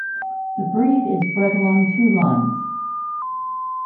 The breed is bred along two lines.